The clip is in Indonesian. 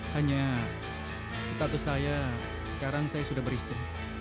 hanya status saya sekarang saya sudah beristri